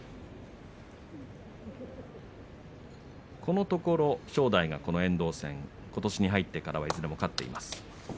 このところ正代は遠藤戦ことしに入ってから一度勝っています。